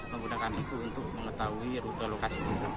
menggunakan itu untuk mengetahui rute lokasi